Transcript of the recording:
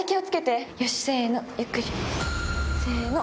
せの！